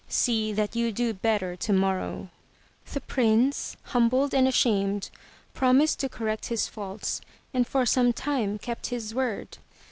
See that you do better tomorrow/' The Prince, humbled and ashamed, promised to correct his faults and for some time kept his word.